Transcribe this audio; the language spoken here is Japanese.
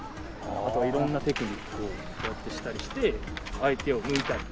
あとは色んなテクニックをこうやってしたりして相手を抜いたり。